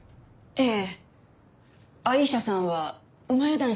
ええ。